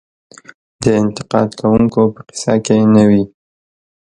د انتقاد کوونکو په قصه کې نه وي .